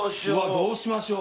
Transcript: どうしましょう？